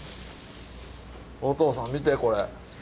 お父さん見てこれ。